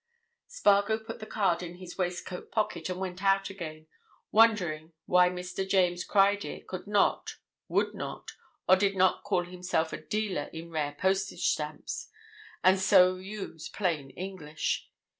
Spargo put the card in his waistcoat pocket and went out again, wondering why Mr. James Criedir could not, would not, or did not call himself a dealer in rare postage stamps, and so use plain English.